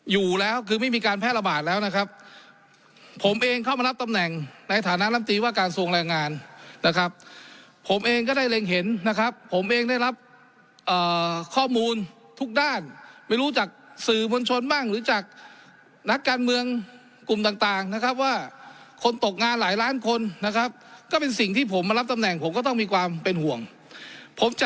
อยู่แล้วคือไม่มีการแพร่ระบาดแล้วนะครับผมเองเข้ามารับตำแหน่งในฐานะลำตีว่าการทรวงแรงงานนะครับผมเองก็ได้เล็งเห็นนะครับผมเองได้รับข้อมูลทุกด้านไม่รู้จากสื่อมวลชนบ้างหรือจากนักการเมืองกลุ่มต่างต่างนะครับว่าคนตกงานหลายล้านคนนะครับก็เป็นสิ่งที่ผมมารับตำแหน่งผมก็ต้องมีความเป็นห่วงผมจะ